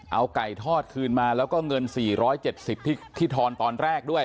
เอาไก่ทอดคืนมาแล้วก็เงิน๔๗๐ที่ทอนตอนแรกด้วย